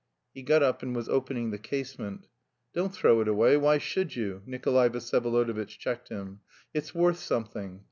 He got up and was opening the casement. "Don't throw it away, why should you?" Nikolay Vsyevolodovitch checked him. "It's worth something.